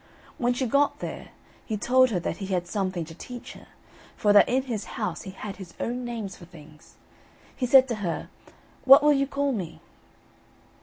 When she got there, he told her that he had something to teach her, for that in his house he had his own names for things. He said to her: "What will you call me?"